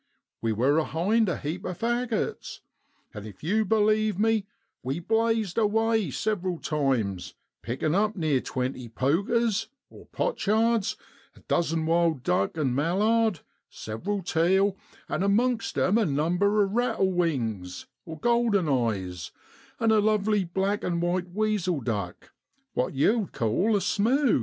We wor a hind a heap o' faggots ; and if yew b'lieve me, we blazed away several times, pickin' up near twenty pokers (pochards), a dozen wild duck and mallard, several teal, and amongst 'em a number of rattle wings (golden eyes), and a lovely black and white weasel duck, what yow'd call a smew.